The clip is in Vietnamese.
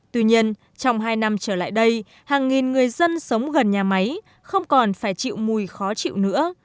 tuy nhiên trong hai năm trở lại đây hàng nghìn người dân sống gần nhà máy không còn phải chịu mùi khó chịu nữa